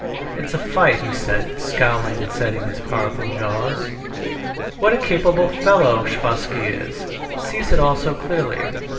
It's a fight!" he said, scowling and setting his powerful jaws. "What a capable fellow Sviazhsky is! Sees it all so clearly."